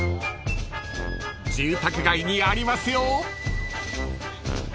［住宅街にありますよ］